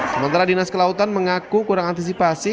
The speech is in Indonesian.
sementara dinas kelautan mengaku kurang antisipasi